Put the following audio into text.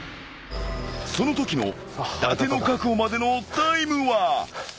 ［そのときの伊達の確保までのタイムは］